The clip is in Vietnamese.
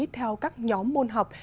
theo các nhóm môn học